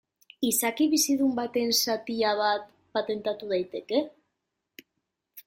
Izaki bizidun baten zatia bat patentatu daiteke?